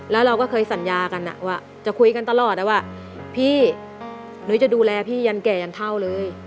แล้วเราก็เคยสัญญากันว่าจะคุยกันตลอดว่าพี่นุ้ยจะดูแลพี่ยันแก่ยันเท่าเลย